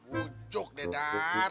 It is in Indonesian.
ujuk deh dar